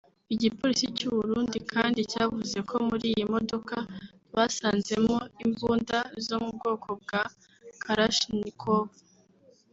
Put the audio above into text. Igipolisi cy’u Burundi kandi cyavuze ko muri iyi modoka basanzemo imbunda zo mu bwoko bwa Kalashnikov